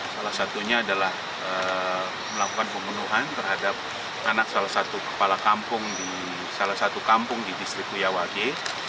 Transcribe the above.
salah satunya adalah melakukan pemenuhan terhadap anak salah satu kepala kampung di distrik uyawade